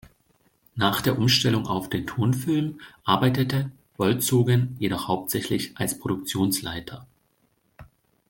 Nach der Umstellung auf den Tonfilm arbeitete Wolzogen jedoch hauptsächlich als Produktionsleiter.